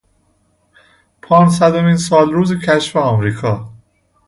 پانصدمین سالروز کشف امریکا